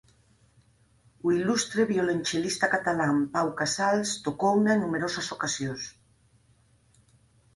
O ilustre violonchelista catalán Pau Casals tocouna en numerosas ocasións.